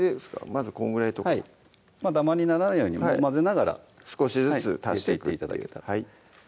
まずこんぐらいとかダマにならないように混ぜながら少しずつ足していって頂けたらはい